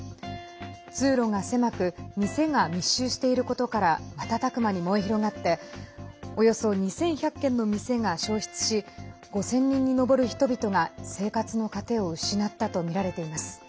通路が狭く店が密集していることから瞬く間に燃え広がっておよそ２１００軒の店が焼失し５０００人に上る人々が生活の糧を失ったとみられています。